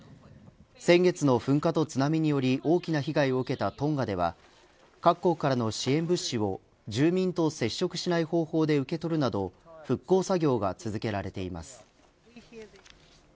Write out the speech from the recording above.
先月の噴火と津波により大きな被害を受けたトンガでは各国からの支援物資を住民と接触しない方法で受け取るなど復興作業が続けられています。